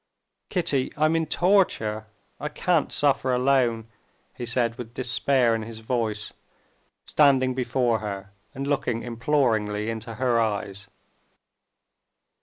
"Kitty! I'm in torture. I can't suffer alone," he said with despair in his voice, standing before her and looking imploringly into her eyes.